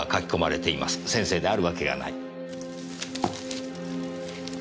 先生であるわけがない。